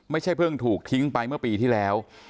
เพิ่งถูกทิ้งไปเมื่อปีที่แล้ว